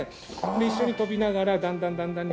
で一緒に飛びながらだんだんだんだん。